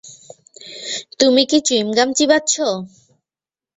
তুমি কি চুইংগাম চিবাচ্ছ?